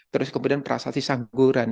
terus kemudian prasasti sangguran